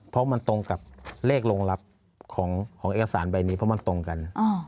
เพราะมันตรงกับเลขรองรับของเอกสารใบนี้เพราะมันตรงกัน